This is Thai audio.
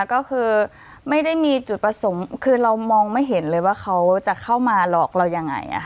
ก็คือไม่ได้มีจุดประสงค์คือเรามองไม่เห็นเลยว่าเขาจะเข้ามาหลอกเรายังไง